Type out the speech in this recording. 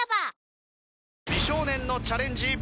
美少年のチャレンジ。